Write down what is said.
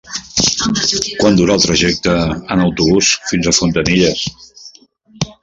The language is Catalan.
Quant dura el trajecte en autobús fins a Fontanilles?